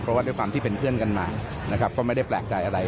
เพราะว่าด้วยความที่เป็นเพื่อนกันมานะครับก็ไม่ได้แปลกใจอะไร